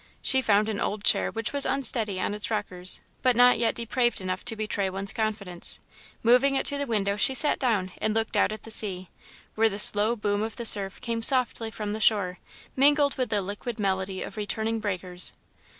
She found an old chair which was unsteady on its rockers but not yet depraved enough to betray one's confidence. Moving it to the window, she sat down and looked out at the sea, where the slow boom of the surf came softly from the shore, mingled with the liquid melody of returning breakers.